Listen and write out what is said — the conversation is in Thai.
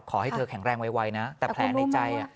ขอให้เธอแข็งแรงไวนะแต่แผลในใจ